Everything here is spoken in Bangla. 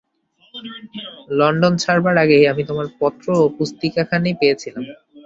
লণ্ডন ছাড়বার আগেই আমি তোমার পত্র ও পুস্তিকাখানি পেয়েছিলাম।